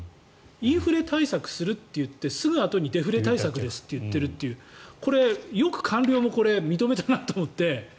インフレ対策すると言ってすぐあとにデフレ対策ですって言ってるというこれよく官僚も認めたなと思って。